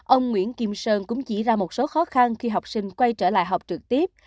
ông nguyễn kim sơn cũng chỉ ra một số khó khăn khi học sinh quay trở lại học trực tiếp